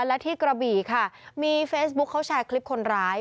และที่กระบี่ค่ะมีเฟซบุ๊คเขาแชร์คลิปคนร้าย